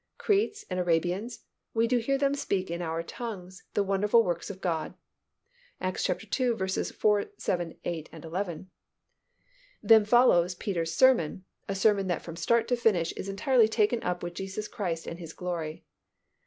Cretes and Arabians, we do hear them speak in our tongues the wonderful works of God" (Acts ii. 4, 7, 8, 11). Then follows Peter's sermon, a sermon that from start to finish is entirely taken up with Jesus Christ and His glory.